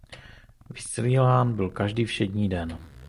Vysílán byl každý všední den.